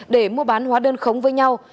để mua bán hóa đơn khống với nhau